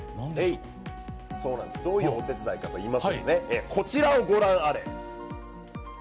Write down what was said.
どういうお手伝いかといいますとこちらをごらんあれ。